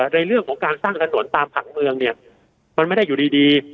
ในเรื่องของการสร้างถนนตามผังเมืองเนี่ยมันไม่ได้อยู่ดี